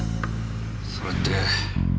それって。